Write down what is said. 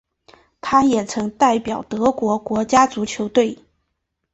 他也曾代表德国国家足球队。